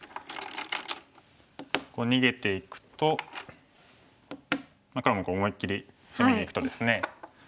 逃げていくと黒も思いっきり攻めにいくとですね